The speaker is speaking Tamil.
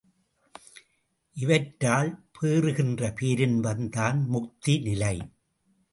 இவற்றால் பேறுகின்ற பேரின்பம் தான் முக்தி நிலை.